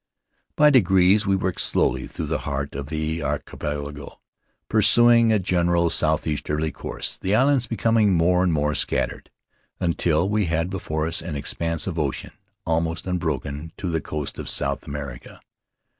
By degrees we worked slowly through the heart of the archipelago, pursuing a general southeasterly course, the islands becoming more and more scattered, until we had before us an expanse of ocean almost unbroken to the coast of South America.